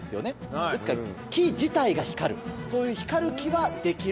ですから木自体が光るそういう光る木はできる？